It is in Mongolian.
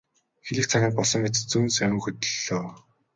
Хэлэх цаг нь болсон мэт зөн совин хөтөллөө.